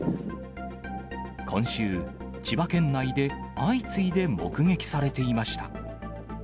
今週、千葉県内で相次いで目撃されていました。